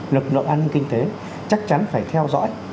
lực lượng an ninh kinh tế chắc chắn phải theo dõi